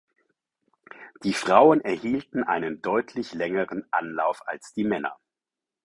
Die Frauen erhielten einen deutlich längeren Anlauf als die Männer.